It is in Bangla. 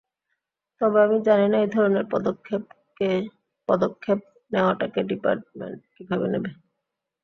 তবে আমি জানি না এই ধরণের পদক্ষেপ নেওয়াটাকে ডিপার্টমেন্ট কীভাবে নেবে।